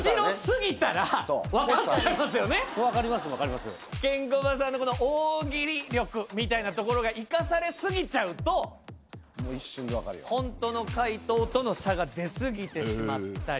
・わかりますわかります・ケンコバさんのこの大喜利力みたいなところが生かされ過ぎちゃうとホントの解答との差が出過ぎてしまったり。